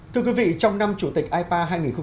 thưa quý vị trong năm chủ tịch ipa hai nghìn hai mươi